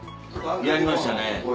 やりましたね。